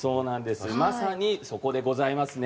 まさに、そこでございますね。